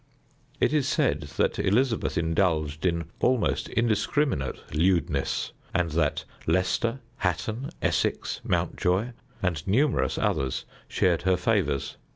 It is said that Elizabeth indulged in almost indiscriminate lewdness, and that Leicester, Hatton, Essex, Mountjoy, and numerous others shared her favors.